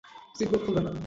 Seat belt খুলবে না।